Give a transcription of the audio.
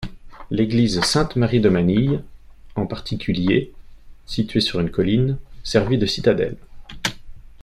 L'Église Sainte Marie de Manille, en particulier, située sur une colline, servit de citadelle.